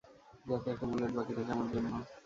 যাতে একটা বুলেট বাকি থাকে আমার জন্য!